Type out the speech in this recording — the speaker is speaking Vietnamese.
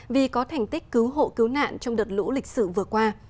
vì có thành tích cứu hộ cứu nạn trong đợt lũ lịch sử vừa qua